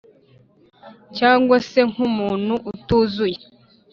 cyangwa se nk’umuntu utuzuye!”